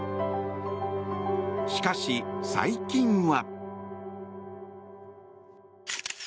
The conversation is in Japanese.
しかし、最近は。